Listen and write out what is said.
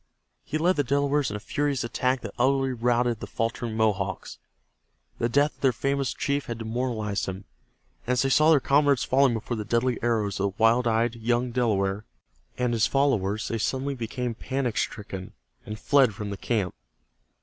He led the Delawares in a furious attack that utterly routed the faltering Mohawks. The death of their famous chief had demoralized them, and as they saw their comrades falling before the deadly arrows of the wild eyed young Delaware and his followers they suddenly became panic stricken and fled from the camp.